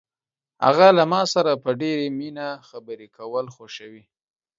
هغه له ما سره په ډېرې مینه خبرې کول خوښوي.